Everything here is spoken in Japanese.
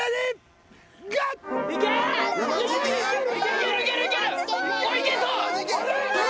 いけるいけるいける！